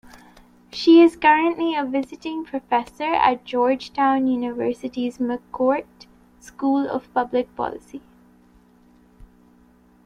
She is currently a visiting professor at Georgetown University's McCourt School of Public Policy.